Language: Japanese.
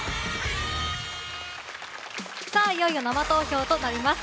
いよいよ生投票となります。